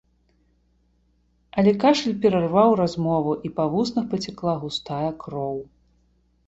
Але кашаль перарваў размову, і па вуснах пацякла густая кроў.